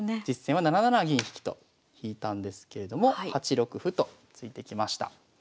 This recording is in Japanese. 実戦は７七銀引と引いたんですけれども８六歩と突いてきました。